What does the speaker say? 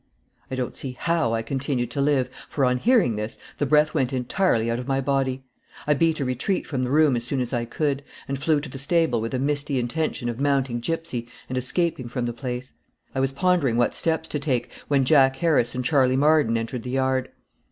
I don't see how I continued to live, for on hearing this the breath went entirely out of my body. I beat a retreat from the room as soon as I could, and flew to the stable with a misty intention of mounting Gypsy and escaping from the place. I was pondering what steps to take, when Jack Harris and Charley Marden entered the yard.